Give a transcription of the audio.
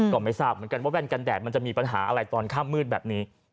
ก็ไม่ทราบเหมือนกันว่าแว่นกันแดดมันจะมีปัญหาอะไรตอนข้ามมืดแบบนี้